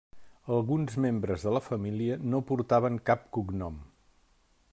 Alguns membres de la família no portaven cap cognom.